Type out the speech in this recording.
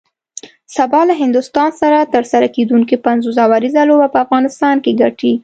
سبا له هندوستان سره ترسره کیدونکی پنځوس اوریزه لوبه به افغانستان ګټي